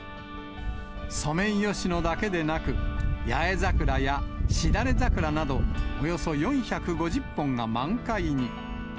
ソメイヨシノだけでなく、八重桜やしだれ桜など、およそ４５０本が満開に。